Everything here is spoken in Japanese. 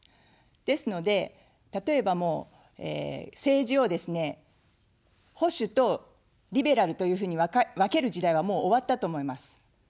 ですので、例えばもう、政治をですね、保守とリベラルというふうに分ける時代は、もう終わったと思います。